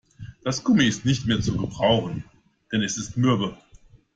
Das Gummi ist nicht mehr zu gebrauchen, denn es ist mürbe.